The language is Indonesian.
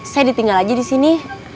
saya ditinggal aja disini